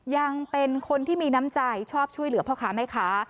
ยังเป็นคนที่มีน้ำใจชอบช่วยเหลือพ่อค้าแม่ค้า